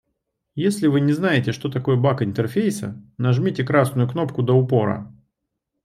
Если вы не знаете, что такое баг интерфейса, нажмите красную кнопку до упора